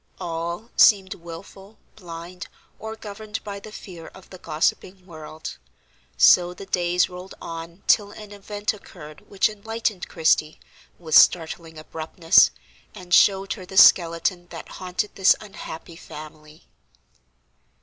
All seemed wilful, blind, or governed by the fear of the gossiping world. So the days rolled on till an event occurred which enlightened Christie, with startling abruptness, and showed her the skeleton that haunted this unhappy family.